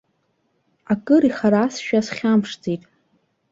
Акыр ихаразшәа, схьамԥшӡеит.